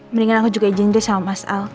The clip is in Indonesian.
mendingan aku juga izin deh sama mas al